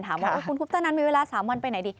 ถามว่าคุณคุปตนันมีเวลา๓วันไปไหนดี